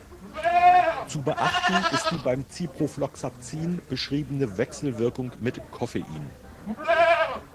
Zu beachten ist die beim Ciprofloxacin beschriebene Wechselwirkung mit Coffein.